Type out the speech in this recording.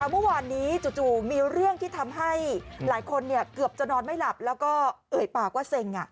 เมื่อวานนี้จู่มีเรื่องที่ทำให้หลายคนเกือบจะนอนไม่หลับแล้วก็เอ่ยปากว่าเซ็ง